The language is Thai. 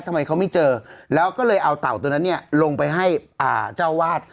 ทำไมเขาไม่เจอแล้วก็เลยเอาเต่าตัวนั้นเนี่ยลงไปให้เจ้าวาด